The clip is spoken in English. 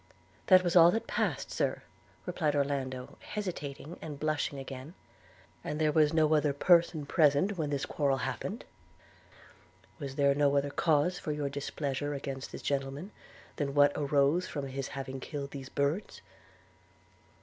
'That was all that passed, Sir,' replied Orlando hesitating, and blushing again. 'And was there no other person present when this quarrel happened? Was there no other cause for your displeasure against this gentleman, than what arose from his having killed these birds?